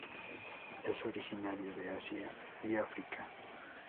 Es originaria de Asia y África.